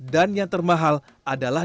dan yang termahal adalah